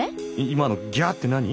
今の「ギャー」って何？